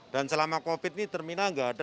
dan selama covid sembilan belas ini terminal nggak ada